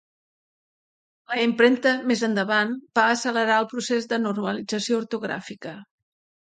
La impremta, més endavant, va accelerar el procés de normalització ortogràfica.